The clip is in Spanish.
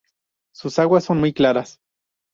Sus aguas son muy claras.